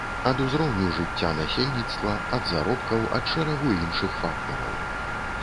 Ад узроўню жыцця насельніцтва, ад заробкаў, ад шэрагу іншых фактараў.